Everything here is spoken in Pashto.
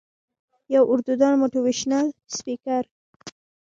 يو اردو دان موټيوېشنل سپيکر